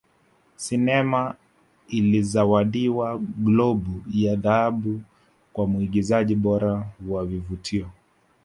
Sinema ilizawadiwa Globu ya Dhahabu Kwa Muigizaji Bora wa Vivutio